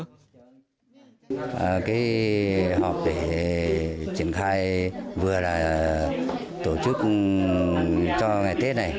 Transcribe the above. cái họp để triển khai vừa là tổ chức cho ngày tết này